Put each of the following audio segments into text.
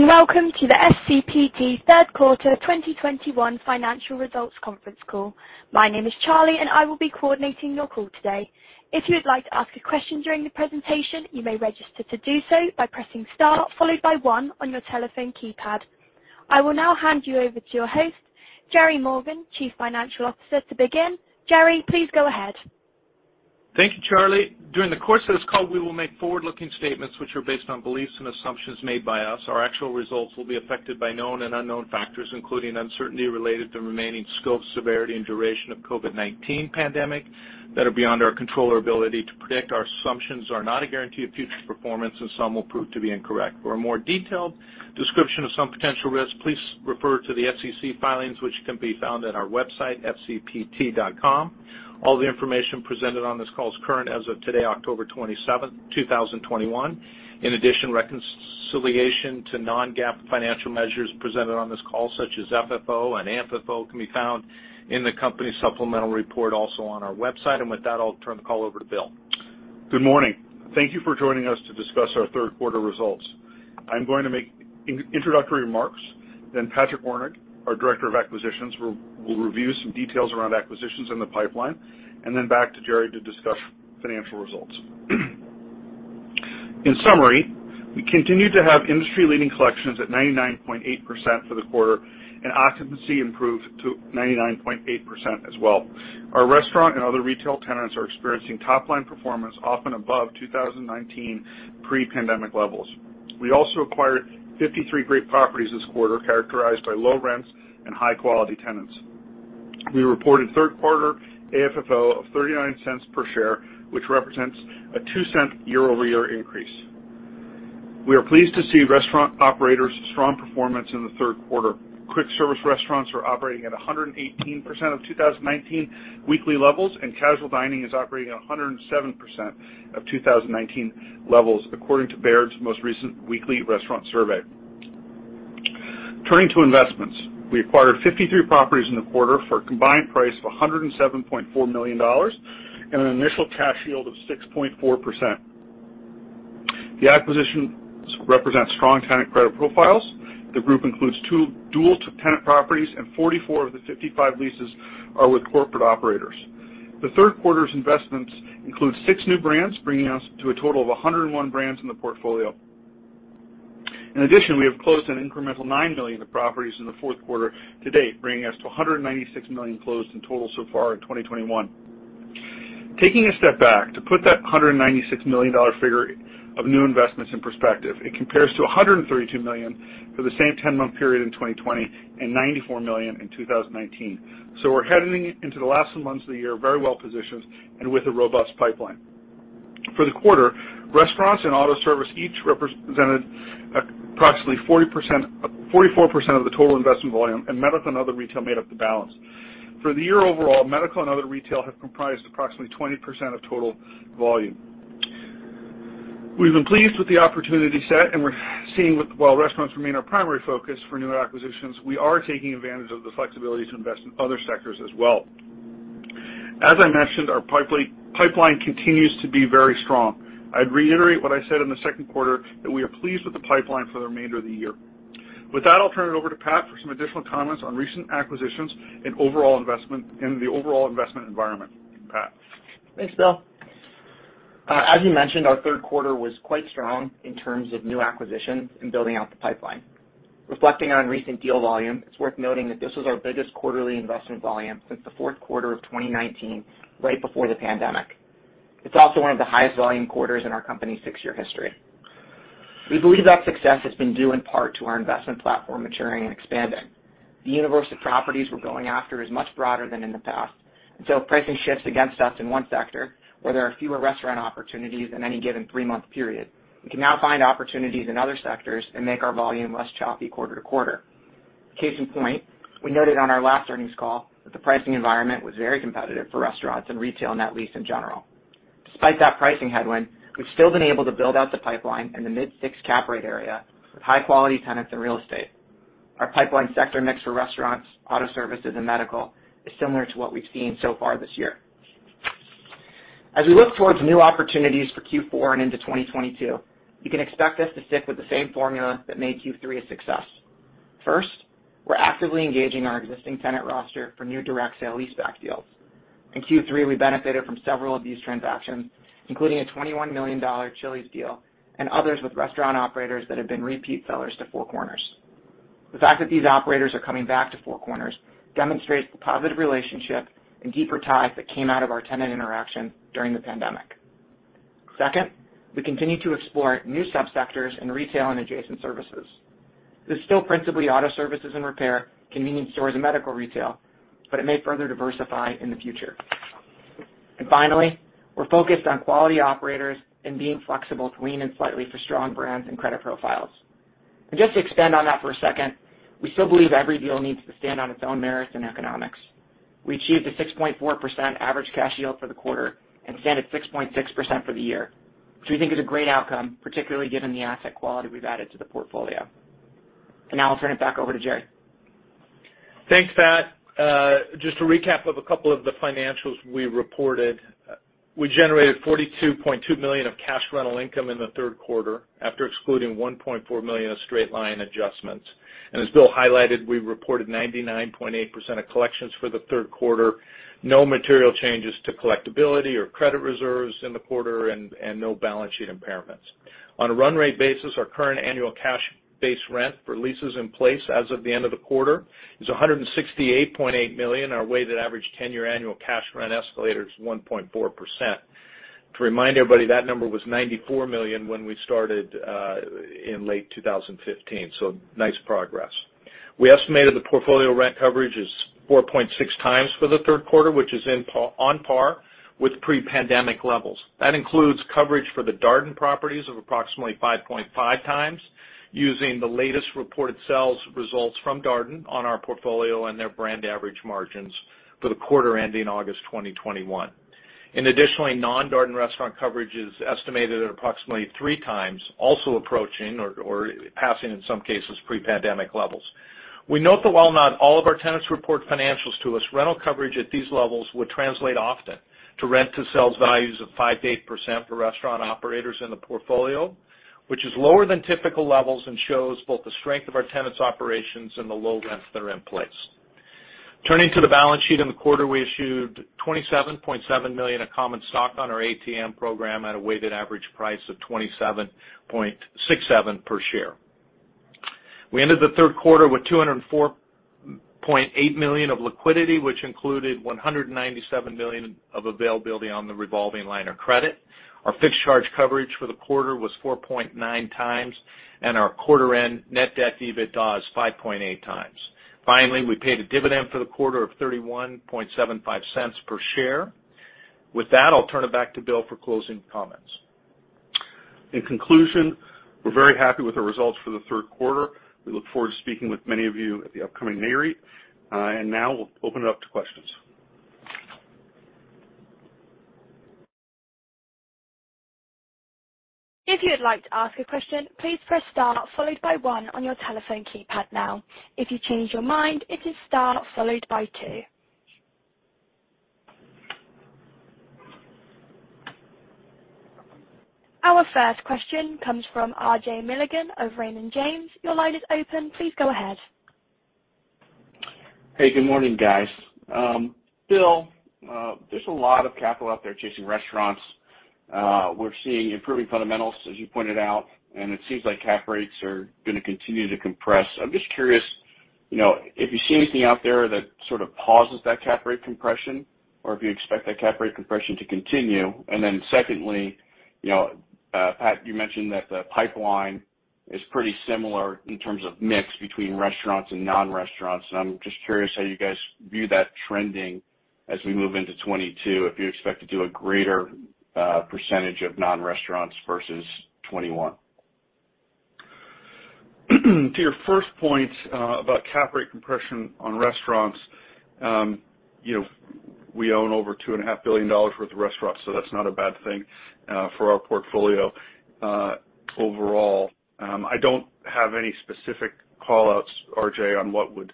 Hello, and welcome to the FCPT third quarter 2021 financial results conference call. My name is Charlie, and I will be coordinating your call today. If you would like to ask a question during the presentation, you may register to do so by pressing star, followed by one on your telephone keypad. I will now hand you over to your host, Gerald Morgan, Chief Financial Officer, to begin. Jerry, please go ahead. Thank you, Charlie. During the course of this call, we will make forward-looking statements which are based on beliefs and assumptions made by us. Our actual results will be affected by known and unknown factors, including uncertainty related to remaining scope, severity and duration of COVID-19 pandemic that are beyond our control or ability to predict. Our assumptions are not a guarantee of future performance, and some will prove to be incorrect. For a more detailed description of some potential risks, please refer to the SEC filings, which can be found at our website, fcpt.com. All the information presented on this call is current as of today, October 27th, 2021. In addition, reconciliation to non-GAAP financial measures presented on this call, such as FFO and AFFO, can be found in the company's supplemental report also on our website. With that, I'll turn the call over to Bill. Good morning. Thank you for joining us to discuss our third quarter results. I'm going to make introductory remarks, then Patrick Wernig, our Director of Acquisitions, will review some details around acquisitions in the pipeline, and then back to Jerry to discuss financial results. In summary, we continued to have industry-leading collections at 99.8% for the quarter, and occupancy improved to 99.8% as well. Our restaurant and other retail tenants are experiencing top line performance often above 2019 pre-pandemic levels. We also acquired 53 great properties this quarter, characterized by low rents and high-quality tenants. We reported third quarter AFFO of $0.39 per share, which represents a $0.02 year-over-year increase. We are pleased to see restaurant operators strong performance in the third quarter. Quick service restaurants are operating at 118% of 2019 weekly levels, and casual dining is operating at 107% of 2019 levels, according to Baird's most recent weekly restaurant survey. Turning to investments. We acquired 53 properties in the quarter for a combined price of $107.4 million and an initial cash yield of 6.4%. The acquisitions represent strong tenant credit profiles. The group includes two dual-tenant properties, and 44 of the 55 leases are with corporate operators. The third quarter's investments include 6 new brands, bringing us to a total of 101 brands in the portfolio. In addition, we have closed an incremental $9 million of properties in the fourth quarter to date, bringing us to $196 million closed in total so far in 2021. Taking a step back to put that $196 million dollar figure of new investments in perspective, it compares to $132 million for the same ten-month period in 2020 and $94 million in 2019. We're heading into the last months of the year very well-positioned and with a robust pipeline. For the quarter, restaurants and auto service each represented approximately 40%, 44% of the total investment volume, and medical and other retail made up the balance. For the year overall, medical and other retail have comprised approximately 20% of total volume. We've been pleased with the opportunity set, and we're seeing with. While restaurants remain our primary focus for new acquisitions, we are taking advantage of the flexibility to invest in other sectors as well. As I mentioned, our pipeline continues to be very strong. I'd reiterate what I said in the second quarter, that we are pleased with the pipeline for the remainder of the year. With that, I'll turn it over to Pat for some additional comments on recent acquisitions and overall investment in the overall investment environment. Pat. Thanks, Bill. As you mentioned, our third quarter was quite strong in terms of new acquisitions and building out the pipeline. Reflecting on recent deal volume, it's worth noting that this was our biggest quarterly investment volume since the fourth quarter of 2019, right before the pandemic. It's also one of the highest volume quarters in our company's 6-year history. We believe that success has been due in part to our investment platform maturing and expanding. The universe of properties we're going after is much broader than in the past, and so if pricing shifts against us in one sector, where there are fewer restaurant opportunities in any given three-month period, we can now find opportunities in other sectors and make our volume less choppy quarter to quarter. Case in point, we noted on our last earnings call that the pricing environment was very competitive for restaurants and retail net lease in general. Despite that pricing headwind, we've still been able to build out the pipeline in the mid-6 cap rate area with high-quality tenants and real estate. Our pipeline sector mix for restaurants, auto services and medical is similar to what we've seen so far this year. As we look towards new opportunities for Q4 and into 2022, you can expect us to stick with the same formula that made Q3 a success. First, we're actively engaging our existing tenant roster for new direct sale leaseback deals. In Q3, we benefited from several of these transactions, including a $21 million Chili's deal and others with restaurant operators that have been repeat sellers to Four Corners. The fact that these operators are coming back to Four Corners demonstrates the positive relationship and deeper ties that came out of our tenant interactions during the pandemic. Second, we continue to explore new subsectors in retail and adjacent services. There's still principally auto services and repair, convenience stores and medical retail, but it may further diversify in the future. Finally, we're focused on quality operators and being flexible to lean in slightly for strong brands and credit profiles. Just to expand on that for a second, we still believe every deal needs to stand on its own merits and economics. We achieved a 6.4% average cash yield for the quarter and stand at 6.6% for the year, which we think is a great outcome, particularly given the asset quality we've added to the portfolio. Now I'll turn it back over to Jerry. Thanks, Pat. Just to recap of a couple of the financials we reported. We generated $42.2 million of cash rental income in the third quarter, after excluding $1.4 million of straight line adjustments. As Bill highlighted, we reported 99.8% of collections for the third quarter. No material changes to collectibility or credit reserves in the quarter and no balance sheet impairments. On a run rate basis, our current annual cash base rent for leases in place as of the end of the quarter is $168.8 million. Our weighted average 10-year annual cash rent escalator is 1.4%. To remind everybody, that number was $94 million when we started in late 2015, so nice progress. We estimated the portfolio rent coverage is 4.6x for the third quarter, which is on par with pre-pandemic levels. That includes coverage for the Darden properties of approximately 5.5x, using the latest reported sales results from Darden on our portfolio and their brand average margins for the quarter ending August 2021. Additionally, non-Darden restaurant coverage is estimated at approximately 3x, also approaching or passing, in some cases, pre-pandemic levels. We note that while not all of our tenants report financials to us, rental coverage at these levels would translate often to rent-to-sales values of 5%-8% for restaurant operators in the portfolio, which is lower than typical levels and shows both the strength of our tenants' operations and the low rents that are in place. Turning to the balance sheet, in the quarter, we issued $27.7 million of common stock on our ATM program at a weighted average price of $27.67 per share. We ended the third quarter with $204.8 million of liquidity, which included $197 million of availability on the revolving line of credit. Our fixed charge coverage for the quarter was 4.9x, and our quarter end net debt to EBITDA is 5.8x. Finally, we paid a dividend for the quarter of $0.3175 per share. With that, I'll turn it back to Bill for closing comments. In conclusion, we're very happy with the results for the third quarter. We look forward to speaking with many of you at the upcoming Nareit. Now we'll open it up to questions. Our first question comes from RJ Milligan of Raymond James. Your line is open. Please go ahead. Hey, good morning, guys. Bill, there's a lot of capital out there chasing restaurants. We're seeing improving fundamentals, as you pointed out, and it seems like cap rates are gonna continue to compress. I'm just curious, you know, if you see anything out there that sort of pauses that cap rate compression or if you expect that cap rate compression to continue. Secondly, you know, Pat, you mentioned that the pipeline is pretty similar in terms of mix between restaurants and non-restaurants. I'm just curious how you guys view that trending as we move into 2022, if you expect to do a greater percentage of non-restaurants versus 2021. To your first point, about cap rate compression on restaurants, you know, we own over $2.5 billion worth of restaurants, so that's not a bad thing for our portfolio. Overall, I don't have any specific call-outs, RJ, on what would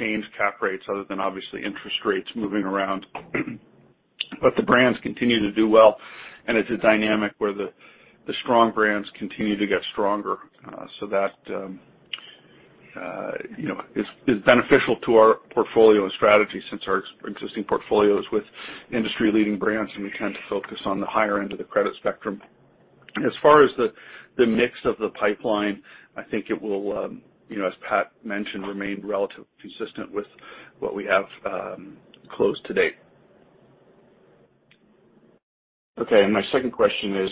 change cap rates other than obviously interest rates moving around. The brands continue to do well, and it's a dynamic where the strong brands continue to get stronger, so that you know is beneficial to our portfolio and strategy since our existing portfolio is with industry-leading brands, and we tend to focus on the higher end of the credit spectrum. As far as the mix of the pipeline, I think it will, you know, as Pat mentioned, remain relatively consistent with what we have closed to date. Okay. My second question is,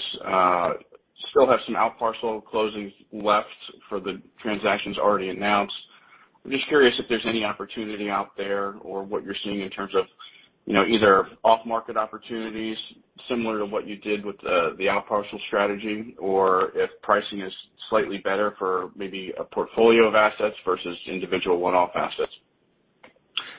still have some out parcel closings left for the transactions already announced. I'm just curious if there's any opportunity out there or what you're seeing in terms of, you know, either off market opportunities similar to what you did with the out parcel strategy or if pricing is slightly better for maybe a portfolio of assets versus individual one-off assets.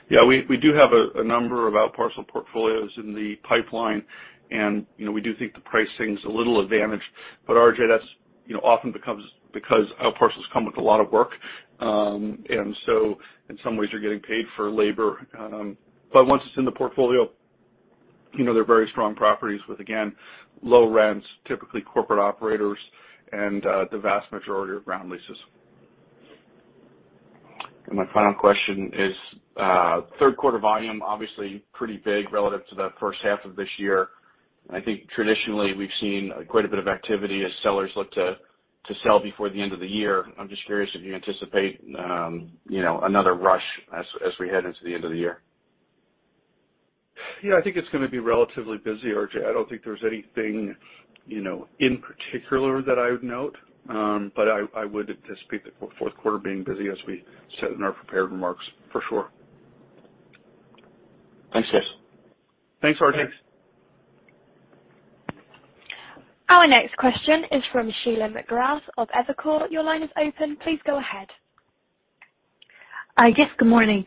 Yeah, we do have a number of out parcel portfolios in the pipeline, and you know, we do think the pricing's a little advantaged. RJ, that's you know often becomes because out parcels come with a lot of work. In some ways, you're getting paid for labor. Once it's in the portfolio, you know, they're very strong properties with again low rents, typically corporate operators and the vast majority are ground leases. My final question is, third quarter volume, obviously pretty big relative to the first half of this year. I think traditionally, we've seen quite a bit of activity as sellers look to sell before the end of the year. I'm just curious if you anticipate, you know, another rush as we head into the end of the year. Yeah, I think it's gonna be relatively busy, RJ. I don't think there's anything, you know, in particular that I would note. I would anticipate the fourth quarter being busy as we said in our prepared remarks, for sure. Thanks, guys. Thanks, RJ. Thanks. Our next question is from Sheila McGrath of Evercore. Your line is open. Please go ahead. Yes, good morning.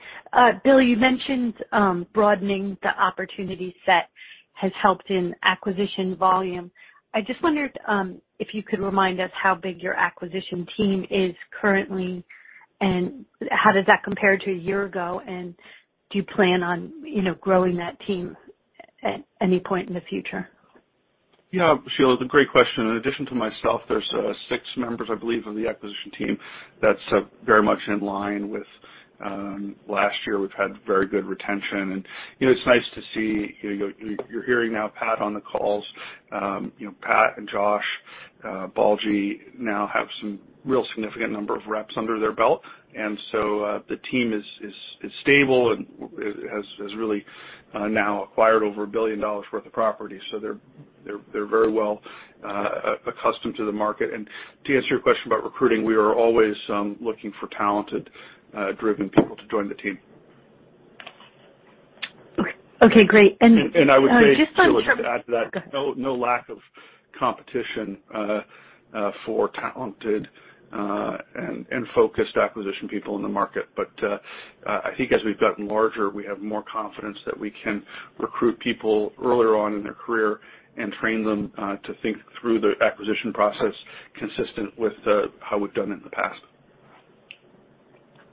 Bill, you mentioned broadening the opportunity set Has helped in acquisition volume. I just wondered, if you could remind us how big your acquisition team is currently, and how does that compare to a year ago, and do you plan on, you know, growing that team at any point in the future? Yeah, Sheila, it's a great question. In addition to myself, there's six members, I believe, on the acquisition team. That's very much in line with last year. We've had very good retention and, you know, it's nice to see, you know, you're hearing now Pat on the calls. You know, Pat and Josh Balgi now have some real significant number of reps under their belt. The team is stable and has really now acquired over $1 billion worth of property. They're very well accustomed to the market. To answer your question about recruiting, we are always looking for talented driven people to join the team. Okay, great. I would say, Sheila, to add to that. Go ahead. No lack of competition for talented and focused acquisition people in the market. I think as we've gotten larger, we have more confidence that we can recruit people earlier on in their career and train them to think through the acquisition process consistent with how we've done it in the past.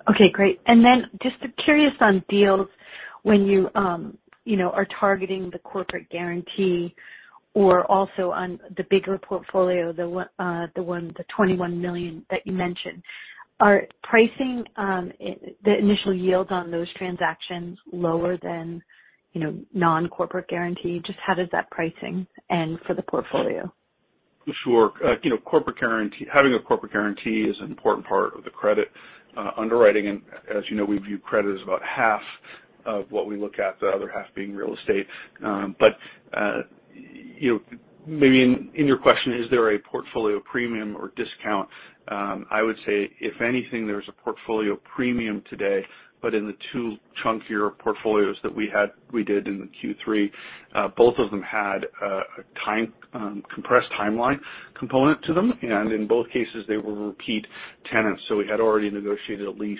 Okay, great. Just curious on deals when you know, are targeting the corporate guarantee or also on the bigger portfolio, the $21 million that you mentioned. Are pricing the initial yields on those transactions lower than, you know, non-corporate guarantee? Just how does that pricing end for the portfolio? Sure. You know, corporate guarantee, having a corporate guarantee is an important part of the credit underwriting. As you know, we view credit as about half of what we look at, the other half being real estate. You know, maybe in your question, is there a portfolio premium or discount? I would say if anything, there's a portfolio premium today, but in the two chunkier portfolios that we had, we did in the Q3, both of them had a time compressed timeline component to them. In both cases, they were repeat tenants, so we had already negotiated a lease,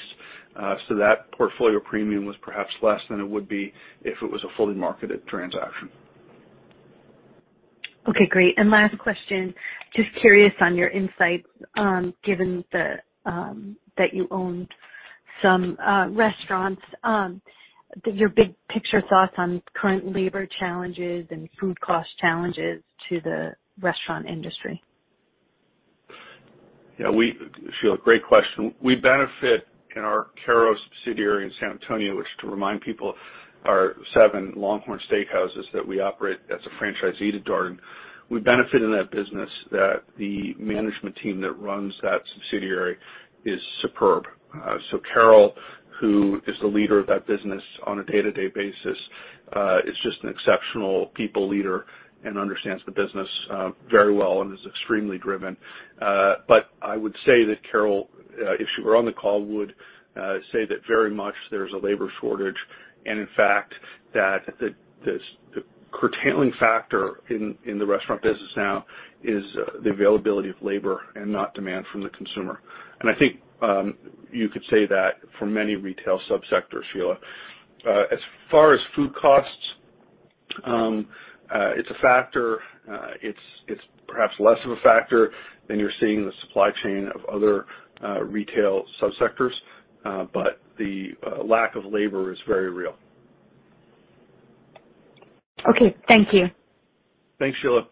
so that portfolio premium was perhaps less than it would be if it was a fully marketed transaction. Okay, great. Last question, just curious on your insights, given that you owned some restaurants, your big picture thoughts on current labor challenges and food cost challenges to the restaurant industry? Yeah, Sheila, great question. We benefit in our Carroll subsidiary in San Antonio, which to remind people are seven LongHorn Steakhouses that we operate as a franchisee to Darden. We benefit in that business that the management team that runs that subsidiary is superb. So Carol, who is the leader of that business on a day-to-day basis, is just an exceptional people leader and understands the business very well and is extremely driven. But I would say that Carol, if she were on the call, would say that very much there's a labor shortage, and in fact, that the curtailing factor in the restaurant business now is the availability of labor and not demand from the consumer. I think you could say that for many retail subsectors, Sheila. As far as food costs, it's a factor. It's perhaps less of a factor than you're seeing in the supply chain of other retail subsectors, but the lack of labor is very real. Okay, thank you. Thanks, Sheila.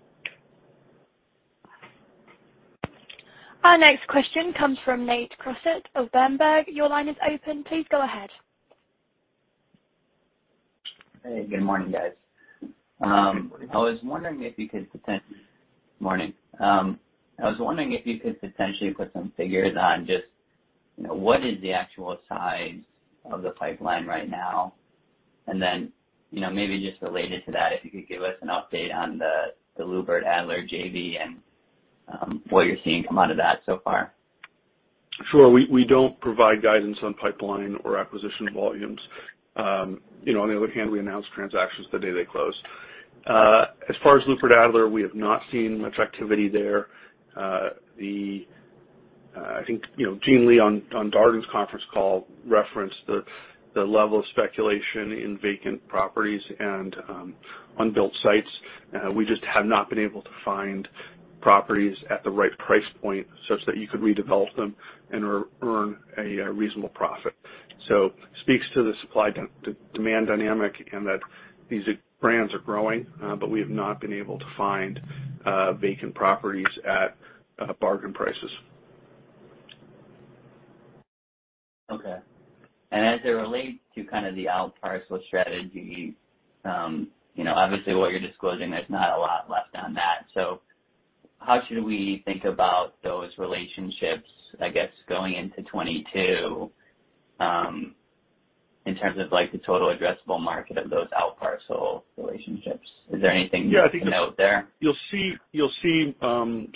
Our next question comes from Nate Crossett of Berenberg Capital Markets. Your line is open. Please go ahead. Hey, good morning, guys. Good morning. I was wondering if you could potentially put some figures on just, you know, what is the actual size of the pipeline right now. You know, maybe just related to that, if you could give us an update on the Lubert-Adler JV and what you're seeing come out of that so far. Sure. We don't provide guidance on pipeline or acquisition volumes. You know, on the other hand, we announce transactions the day they close. As far as Lubert-Adler, we have not seen much activity there. I think, you know, Gene Lee on Darden's conference call referenced the level of speculation in vacant properties and unbuilt sites. We just have not been able to find properties at the right price point such that you could redevelop them and earn a reasonable profit. It speaks to the supply demand dynamic and that these brands are growing, but we have not been able to find vacant properties at bargain prices. Okay. As it relates to kind of the outparcel strategy, you know, obviously what you're disclosing, there's not a lot left on that. So how should we think about those relationships, I guess, going into 2022, in terms of like the total addressable market of those outparcel relationships? Is there anything to note there? Yeah, I think you'll see some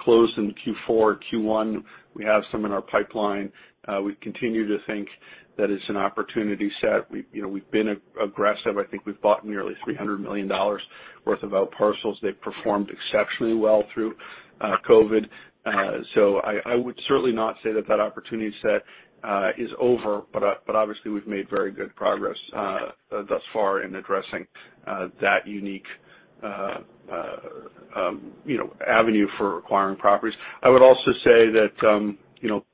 close in Q4, Q1. We have some in our pipeline. We continue to think that it's an opportunity set. We've, you know, been aggressive. I think we've bought nearly $300 million worth of outparcels. They've performed exceptionally well through COVID. So I would certainly not say that opportunity set is over, but obviously we've made very good progress thus far in addressing that unique avenue for acquiring properties. I would also say that, you know,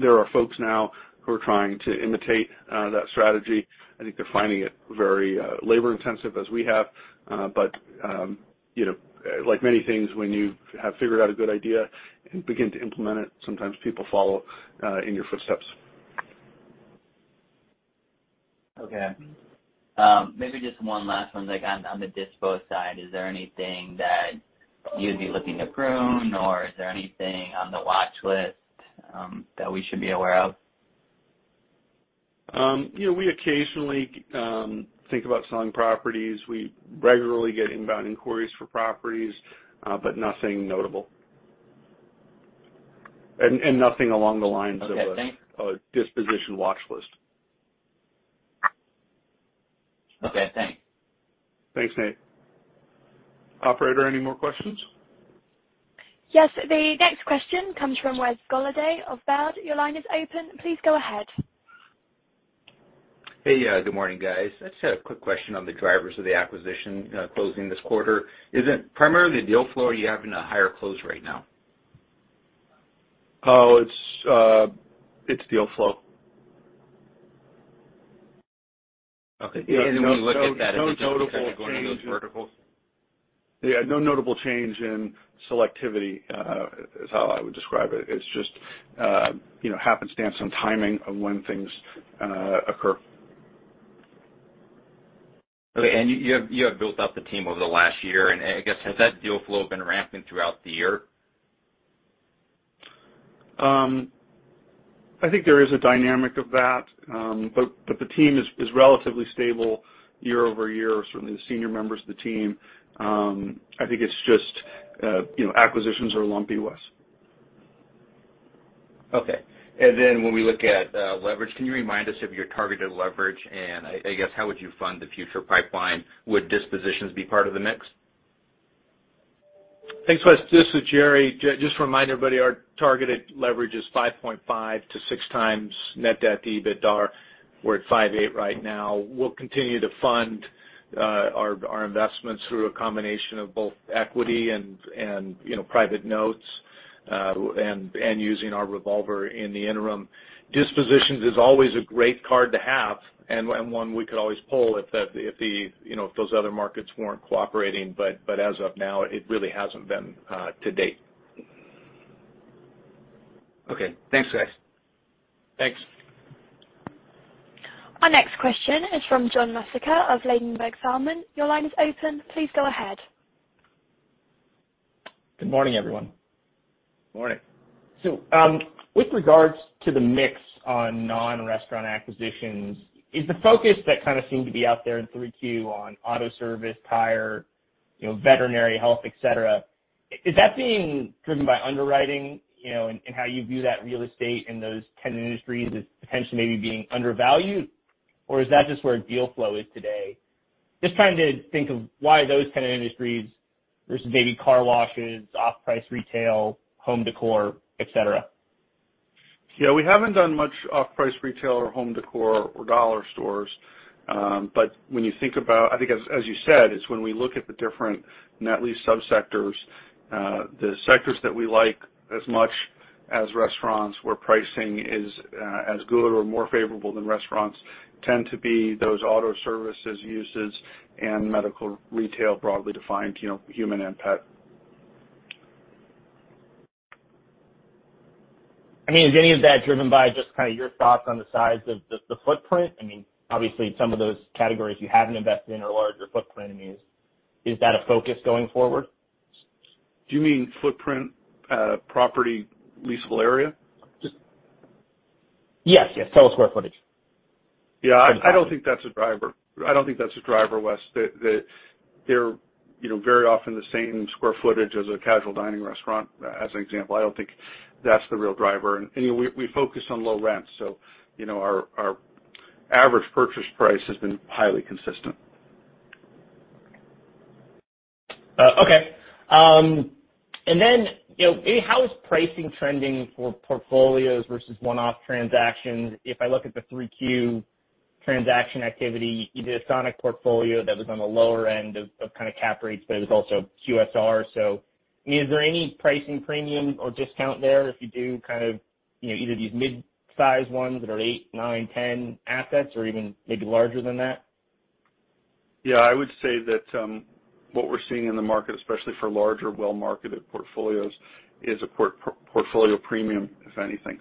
there are folks now who are trying to imitate that strategy. I think they're finding it very labor-intensive, as we have. You know, like many things, when you have figured out a good idea and begin to implement it, sometimes people follow in your footsteps. Okay. Maybe just one last one. Like on the dispo side, is there anything that you'd be looking to prune? Or is there anything on the watch list that we should be aware of? You know, we occasionally think about selling properties. We regularly get inbound inquiries for properties, but nothing notable. Okay, thanks. a disposition watch list. Okay, thanks. Thanks, Nate. Operator, any more questions? Yes, the next question comes from Wes Golladay of Baird. Your line is open. Please go ahead. Hey, good morning, guys. I just had a quick question on the drivers of the acquisition closing this quarter. Is it primarily deal flow or are you having a higher close rate now? Oh, it's deal flow. Okay. When you look at that, is it just sector going into verticals? Yeah, no notable change in selectivity is how I would describe it. It's just, you know, happenstance on timing of when things occur. Okay. You have built up the team over the last year. I guess, has that deal flow been ramping throughout the year? I think there is a dynamic of that. The team is relatively stable year over year, certainly the senior members of the team. I think it's just, you know, acquisitions are lumpy to us. Okay. When we look at leverage, can you remind us of your targeted leverage? I guess how would you fund the future pipeline? Would dispositions be part of the mix? Thanks, Wes. This is Jerry. Just to remind everybody, our targeted leverage is 5.5x to 6x net debt to EBITDA. We're at 5.8x right now. We'll continue to fund our investments through a combination of both equity and you know, private notes and using our revolver in the interim. Dispositions is always a great card to have and one we could always pull if you know, if those other markets weren't cooperating. As of now, it really hasn't been to date. Okay. Thanks, guys. Thanks. Our next question is from John Massocca of Ladenburg Thalmann. Your line is open. Please go ahead. Good morning, everyone. Morning. With regards to the mix on non-restaurant acquisitions, is the focus that kind of seemed to be out there in 3Q on auto service, tire, you know, veterinary health, et cetera, is that being driven by underwriting, you know, and how you view that real estate in those tenant industries as potentially maybe being undervalued? Or is that just where deal flow is today? Just trying to think of why those tenant industries versus maybe car washes, off-price retail, home decor, et cetera. Yeah, we haven't done much off-price retail or home decor or dollar stores. When you think about it, I think, as you said, it's when we look at the different net lease subsectors, the sectors that we like as much as restaurants, where pricing is as good or more favorable than restaurants, tend to be those auto services uses and medical retail, broadly defined, you know, human and pet. I mean, is any of that driven by just kind of your thoughts on the size of the footprint? I mean, obviously, some of those categories you haven't invested in are larger footprint. I mean, is that a focus going forward? Do you mean footprint, property leasable area? Yes, yes. Total square footage. Yeah. I don't think that's a driver, John. They're, you know, very often the same square footage as a casual dining restaurant, as an example. I don't think that's the real driver. You know, we focus on low rents, so you know, our average purchase price has been highly consistent. Okay. You know, how is pricing trending for portfolios versus one-off transactions? If I look at the 3Q transaction activity, you did a Sonic portfolio that was on the lower end of kind of cap rates, but it was also QSR. I mean, is there any pricing premium or discount there if you do kind of, you know, either these midsize ones that are eight, nine, 10 assets or even maybe larger than that? Yeah. I would say that, what we're seeing in the market, especially for larger, well-marketed portfolios, is a portfolio premium, if anything.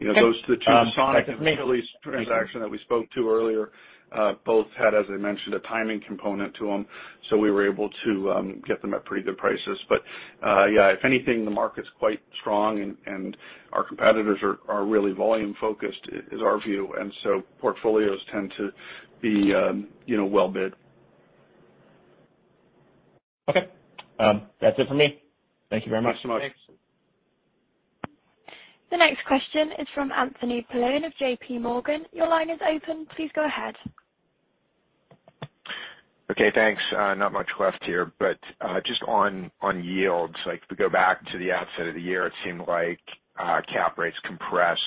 And, um- You know, those the two Sonic and Chili's transaction that we spoke to earlier both had, as I mentioned, a timing component to them, so we were able to get them at pretty good prices. Yeah, if anything, the market's quite strong and our competitors are really volume-focused, is our view. Portfolios tend to be, you know, well bid. Okay. That's it for me. Thank you very much. Thanks so much. The next question is from Anthony Paolone of J.P. Morgan. Your line is open. Please go ahead. Okay, thanks. Not much left here, but just on yields, like if we go back to the outset of the year, it seemed like cap rates compressed,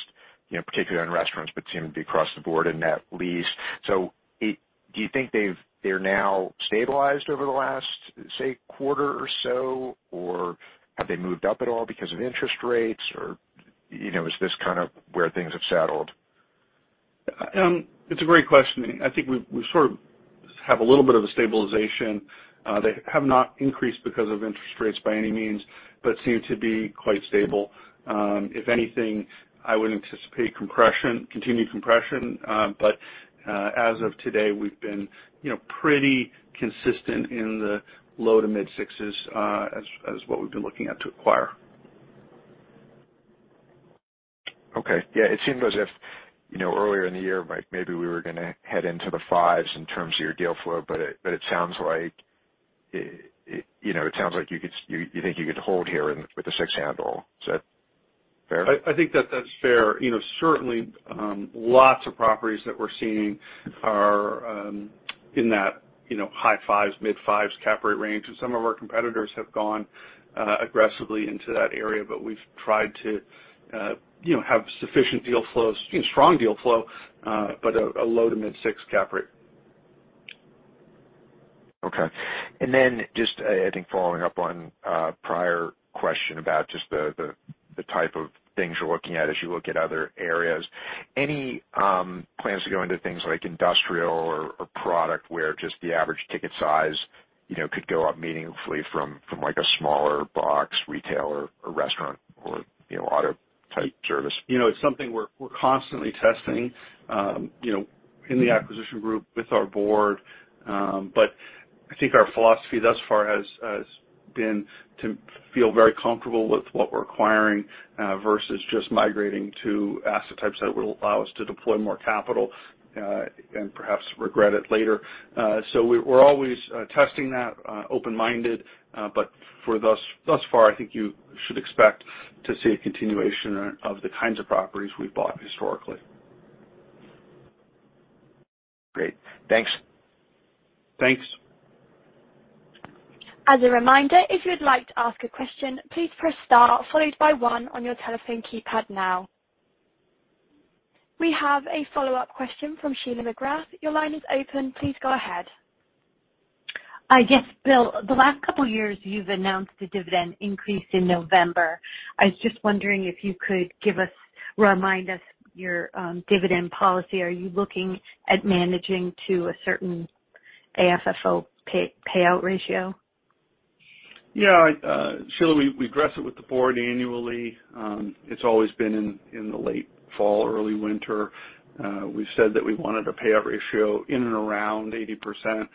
you know, particularly in restaurants, but seemed to be across the board in net lease. Do you think they're now stabilized over the last, say, quarter or so? Or have they moved up at all because of interest rates? Or, you know, is this kind of where things have settled? It's a great question. I think we sort of have a little bit of a stabilization. They have not increased because of interest rates by any means, but seem to be quite stable. If anything, I would anticipate compression, continued compression. As of today, we've been, you know, pretty consistent in the low- to mid-6s, as what we've been looking at to acquire. Okay. Yeah, it seemed as if, you know, earlier in the year, like maybe we were gonna head into the fives in terms of your deal flow, but it sounds like, you know, you think you could hold here in with the six handle. Is that fair? I think that that's fair. You know, certainly, lots of properties that we're seeing are in that, you know, high fives, mid-fives cap rate range. Some of our competitors have gone aggressively into that area, but we've tried to, you know, have sufficient deal flows, you know, strong deal flow, but a low to mid-six cap rate. Okay. Just, I think following up on prior question about just the type of things you're looking at as you look at other areas. Any plans to go into things like industrial or product where just the average ticket size, you know, could go up meaningfully from like a smaller box retailer or restaurant or, you know, auto type service? You know, it's something we're constantly testing, you know, in the acquisition group with our board. I think our philosophy thus far has been to feel very comfortable with what we're acquiring, versus just migrating to asset types that will allow us to deploy more capital, and perhaps regret it later. We're always testing that open-minded. For thus far, I think you should expect to see a continuation of the kinds of properties we've bought historically. Great. Thanks. Thanks. As a reminder, if you'd like to ask a question, please press star followed by one on your telephone keypad now. We have a follow-up question from Sheila McGrath. Your line is open. Please go ahead. Yes, Bill, the last couple years you've announced a dividend increase in November. I was just wondering if you could give us, remind us your dividend policy. Are you looking at managing to a certain AFFO payout ratio? Yeah. Sheila, we address it with the board annually. It's always been in the late fall, early winter. We've said that we wanted a payout ratio in and around 80%.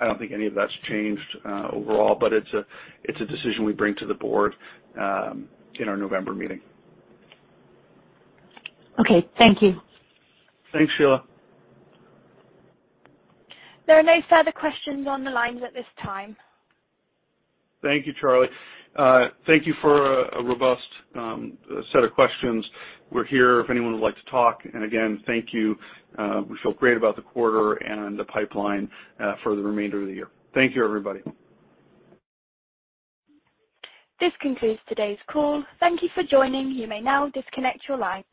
I don't think any of that's changed overall, but it's a decision we bring to the board in our November meeting. Okay. Thank you. Thanks, Sheila. There are no further questions on the lines at this time. Thank you, Charlie. Thank you for a robust set of questions. We're here if anyone would like to talk. Again, thank you. We feel great about the quarter and the pipeline for the remainder of the year. Thank you, everybody. This concludes today's call. Thank you for joining. You may now disconnect your line.